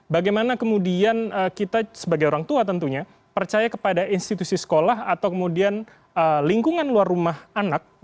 bagaimana kemudian kita sebagai orang tua tentunya percaya kepada institusi sekolah atau kemudian lingkungan luar rumah anak